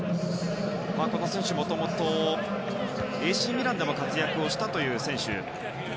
この選手はもともとＡＣミランでも活躍をした選手。